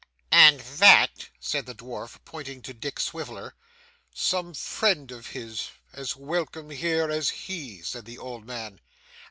'And that?' said the dwarf, pointing to Dick Swiveller. 'Some friend of his, as welcome here as he,' said the old man.